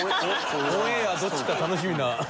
オンエアどっちか楽しみな。